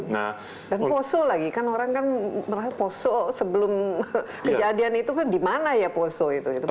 dan poso lagi kan orang kan melihat poso sebelum kejadian itu kan di mana ya poso itu